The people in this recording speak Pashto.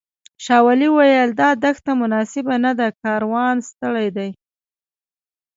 شاولي وویل دا دښته مناسبه نه ده کاروان ستړی دی.